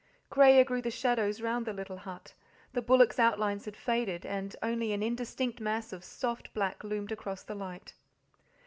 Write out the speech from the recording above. Greyer grew the shadows round the little but, the bullocks' outlines had faded, and only an indistinct mass of soft black loomed across the light.